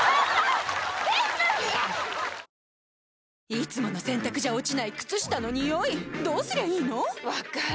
いつもの洗たくじゃ落ちない靴下のニオイどうすりゃいいの⁉分かる。